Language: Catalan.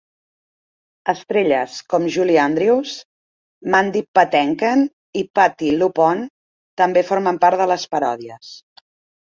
Estrelles com Julie Andrews, Mandy Patinkin i Patti Lupone també formen part de les paròdies.